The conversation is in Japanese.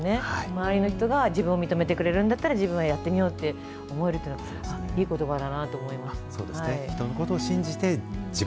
周りの人が自分を認めてくれるんだったら、自分はやってみようと思えるっていうのは、いいことばだなと思いました。